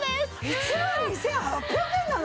１万２８００円なの！？